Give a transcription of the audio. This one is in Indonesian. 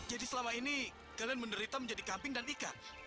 jadi selama ini kalian menderita menjadi kambing dan ikan